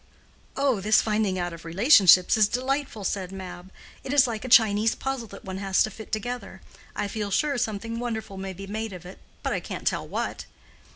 "Oh, this finding out relationships is delightful!" said Mab. "It is like a Chinese puzzle that one has to fit together. I feel sure something wonderful may be made of it, but I can't tell what."